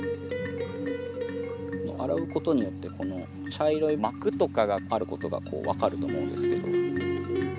洗うことによってこの茶色い膜とかがあることがこう分かると思うんですけど。